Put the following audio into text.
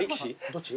どっち？